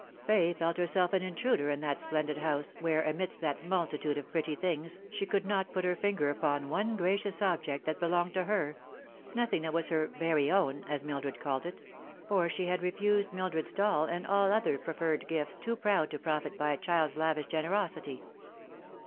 Fay felt herself an intruder in that splendid house, where, amidst that multitude of pretty things, bhe could not put her finger upon one gracious object that belonged to her nothing that was her " very own," as Mildred called it ; for she had refused Mildred's doll and all other prof fered gifts, too proud to profit by a child's lavish generosity.